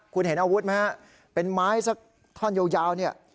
คุณเห็นอาวุธไหมฮะเป็นไม้สักท่อนยาวเนี่ย